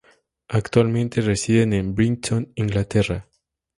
Actualmente residen en Brighton, Inglaterra.